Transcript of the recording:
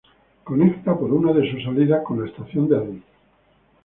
Conecta por una de sus salidas con la estación de Adif.